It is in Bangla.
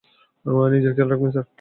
নিজের খেয়াল রাখবেন, স্যার।